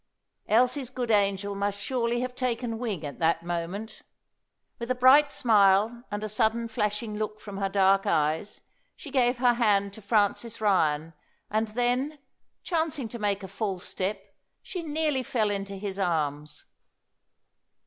Elsie's good angel must surely have taken wing at that moment. With a bright smile, and a sudden flashing look from her dark eyes, she gave her hand to Francis Ryan, and then, chancing to make a false step, she nearly fell into his arms.